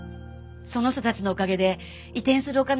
その人たちのおかげで移転するお金